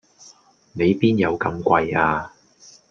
你邊有咁貴呀